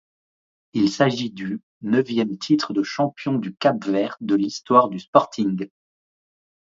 Il s'agit du neuvième titre de champion du Cap-Vert de l’histoire du Sporting.